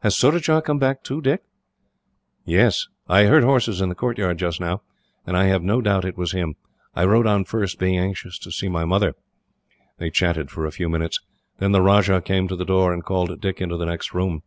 "Has Surajah come back too, Dick?" "Yes; I heard horses in the courtyard just now, and I have no doubt it was him. I rode on first, being anxious to see my mother." They chatted for a few minutes. Then the Rajah came to the door, and called Dick into the next room.